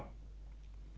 cũng có trung tâm